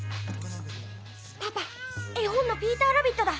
パパ絵本のピーターラビットだ。